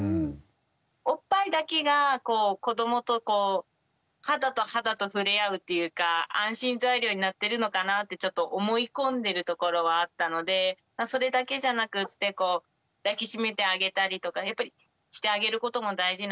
おっぱいだけが子どもと肌と肌と触れ合うっていうか安心材料になってるのかなってちょっと思い込んでるところはあったのでそれだけじゃなくって抱き締めてあげたりとかやっぱりしてあげることも大事なんだなって。